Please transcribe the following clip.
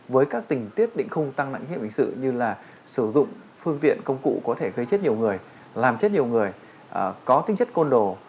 với các tình tiết định không tăng nạn hiểm hình sự như là sử dụng phương viện công cụ có thể gây chết nhiều người làm chết nhiều người có tinh chất côn đồ